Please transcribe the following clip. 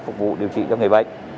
phục vụ điều trị cho người bệnh